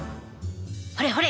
ほれほれ！